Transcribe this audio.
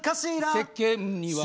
「世間には」